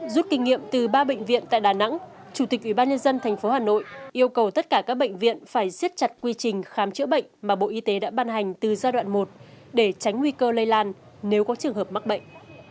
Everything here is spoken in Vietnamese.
rút kinh nghiệm từ ba bệnh viện tại đà nẵng chủ tịch ubnd tp hà nội yêu cầu tất cả các bệnh viện phải siết chặt quy trình khám chữa bệnh mà bộ y tế đã ban hành từ giai đoạn một để tránh nguy cơ lây lan nếu có trường hợp mắc bệnh